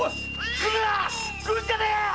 来るんじゃねえ！〕